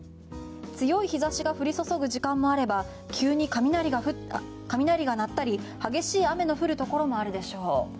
強い日差しが降り注ぐ時間もあれば急に雷が鳴ったり激しい雨の降るところもあるでしょう。